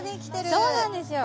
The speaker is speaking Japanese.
そうなんですよ。